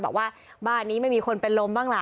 บอกว่าบ้านนี้ไม่มีคนเป็นลมบ้างล่ะ